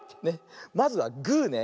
まずはグーね。